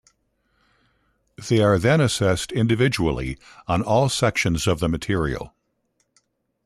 They are then assessed individually on all sections of the material.